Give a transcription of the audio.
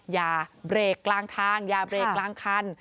อย่าเบรกกลางทางอย่าเบรกกลางคัน